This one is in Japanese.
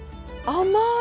甘い。